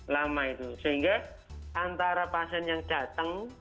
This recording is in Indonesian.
lama itu sehingga antara pasien yang datang